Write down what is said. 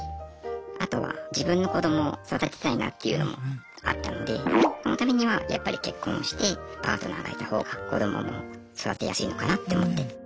あとは自分の子供を育てたいなっていうのもあったのでそのためにはやっぱり結婚してパートナーがいた方が子どもも育てやすいのかなって思って。